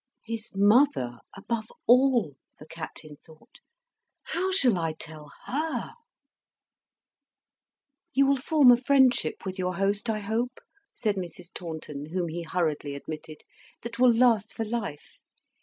"His mother, above all," the Captain thought. "How shall I tell her?" "You will form a friendship with your host, I hope," said Mrs. Taunton, whom he hurriedly admitted, "that will last for life.